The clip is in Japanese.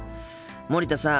森田さん。